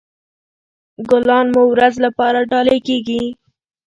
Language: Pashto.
ګلان د مور ورځ لپاره ډالۍ کیږي.